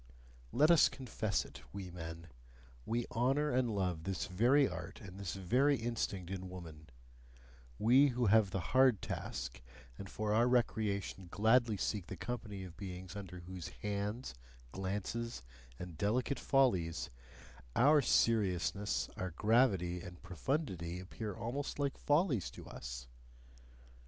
Let us confess it, we men: we honour and love this very art and this very instinct in woman: we who have the hard task, and for our recreation gladly seek the company of beings under whose hands, glances, and delicate follies, our seriousness, our gravity, and profundity appear almost like follies to us.